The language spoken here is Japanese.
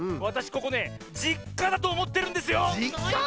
ここね「じっか」だとおもってるんですよ！